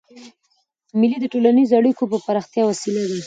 مېلې د ټولنیزو اړیکو د پراختیا وسیله ده.